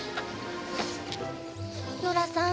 ノラさん